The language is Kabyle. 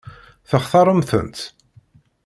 Textaṛem-tent?